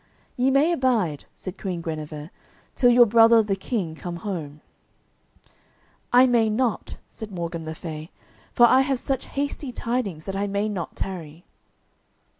"Ye may abide," said Queen Guenever, "till your brother the King come home." "I may not," said Morgan le Fay, "for I have such hasty tidings that I may not tarry."